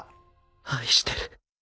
愛してる。